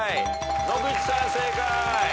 野口さん正解。